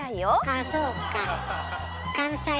ああそうか。